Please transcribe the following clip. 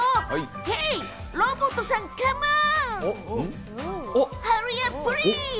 ヘイ、ロボットさん、カモン！